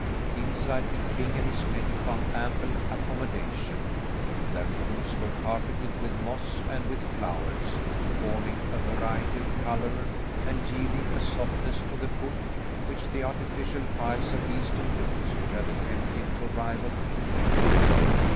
Inside, the king and his men found ample accommodation; their rooms were carpeted with moss and with flowers, forming a variety of colour and yielding a softness to the foot which the artificial piles of Eastern looms would have attempted to rival in vain.